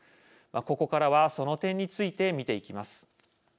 ここからは、その点について見ていきます。